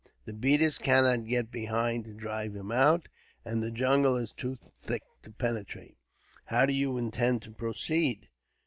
The beaters cannot get behind to drive him out, and the jungle is too thick to penetrate." "How do you intend to proceed?"